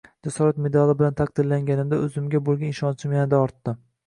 “Jasorat” medali bilan taqdirlanganimda oʻzimga boʻlgan ishonchim yanada ortdi.